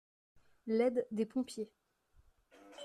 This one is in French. L’aide des pompiers.